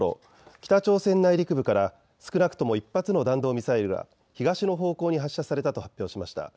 北朝鮮内陸部から少なくとも１発の弾道ミサイルが東の方向に発射されたと発表しました。